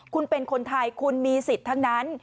คุณเป็นคนไทยคุณมีสิทธิ์ทั้งนั้น